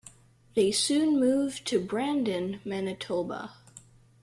They soon moved to Brandon, Manitoba.